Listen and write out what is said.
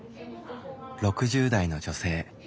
６０代の女性。